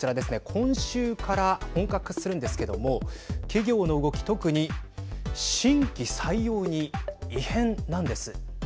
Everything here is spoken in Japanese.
今週から本格化するんですけども企業の動き、特に新規採用に異変なんです。